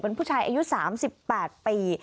เป็นผู้ชายอายุ๓๘ปี